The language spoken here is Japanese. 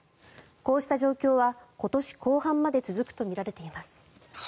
こうした状況は今年後半まで続くとみられています。